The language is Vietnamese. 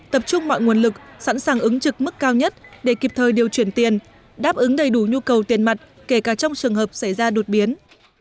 tập trung mọi nguồn lực sẵn sàng ứng trực mức cao nhất để kịp thời điều chuyển tiền đáp ứng đầy đủ nhu cầu tiền mặt kể cả trong trường hợp xảy ra đột biến